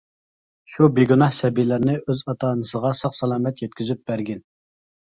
شۇ بىگۇناھ سەبىيلەرنى ئۆز ئاتا-ئانىسىغا ساق-سالامەت يەتكۈزۈپ بەرگىن!